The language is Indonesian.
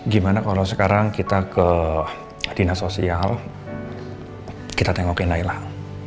gimana kalo sekarang kita ke dinas sosial kita tengokin nailah